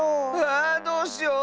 あどうしよう。